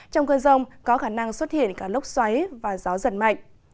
trong cơn rông có khả năng xuất hiện cả lốc xoáy và gió giật mạnh